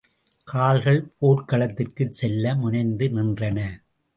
கால்கள் போர்க்களத்திற்கு செல்ல முனைந்து நின்றன.